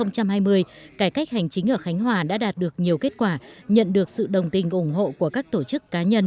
cải cách hành chính ở khánh hòa đã đạt được nhiều kết quả nhận được sự đồng tình ủng hộ của các tổ chức cá nhân